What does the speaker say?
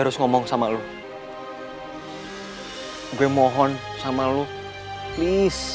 please tolong jangan lo ambil adik gue